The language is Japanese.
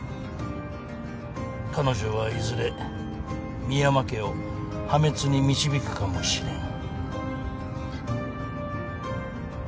彼女はいずれ深山家を破滅に導くかもしれん。